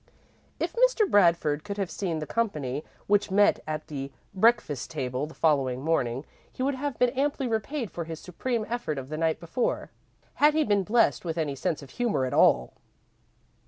If Mr. Bradford could have seen the company which met at the breakfast table the following morning, he would have been amply repaid for his supreme effort of the night before, had he been blessed with any sense of humour at all.